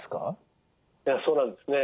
そうなんですね。